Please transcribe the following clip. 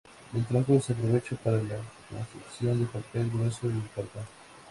El tronco se aprovecha para la confección de papel grueso y cartón.